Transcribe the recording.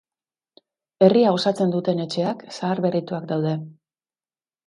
Herria osatzen duten etxeak zaharberrituak daude.